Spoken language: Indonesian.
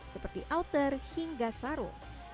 seperti outer hingga saru